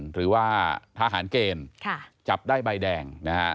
หรือว่าทหารเกณฑ์จับได้ใบแดงนะฮะ